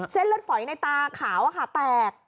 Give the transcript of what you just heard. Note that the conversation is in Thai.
เส้นเลือดฝอยในตากะว่าค่ะแตก